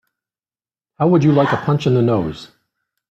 How would you like a punch in the nose?